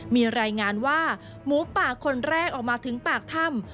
มีรายงานว่าหมูป่าคนแรกออกมาถึงปากถ้ำ